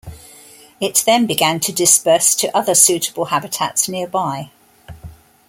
It then began to disperse to other suitable habitats nearby.